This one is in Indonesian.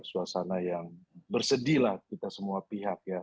suasana yang bersedihlah kita semua pihak ya